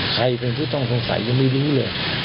ใครเป็นผู้ต้องสงสัยยังไม่รู้เลย